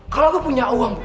kalau aku punya uang